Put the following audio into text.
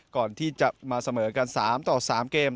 ก่อนที่จะมาเสมอกัน๓ต่อ๓เกม